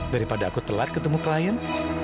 daripada aku telat ketemu klien